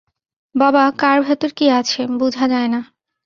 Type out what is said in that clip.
বাবা, কার ভেতর কি আছে, বুঝা যায় না।